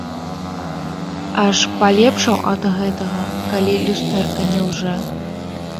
Аж палепшаў ад гэтага, калі люстэрка не лжэ.